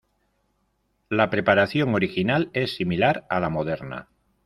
La preparación original es similar a la moderna.